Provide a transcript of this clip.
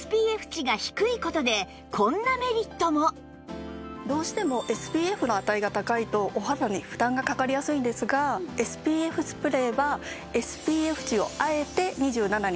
しかもどうしても ＳＰＦ の値が高いとお肌に負担がかかりやすいんですが ＳＰＦ スプレーは ＳＰＦ 値をあえて２７にとどめているんです。